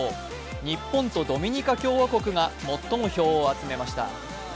日本とドミニカ共和国が最も票を集めました。